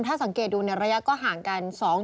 ถ้าสังเกตดูในระยะก็ห่างกัน